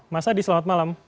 mas adi selamat malam